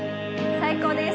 最高です。